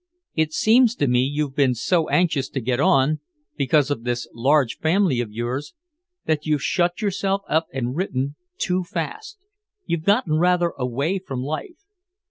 It seems to me you've been so anxious to get on, because of this large family of yours, that you've shut yourself up and written too fast, you've gotten rather away from life.